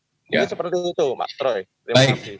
mungkin seperti itu mas troy terima kasih